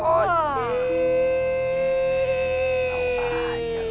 tau tak aja dong